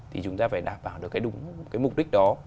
thì chúng ta phải đảm bảo được cái mục đích đó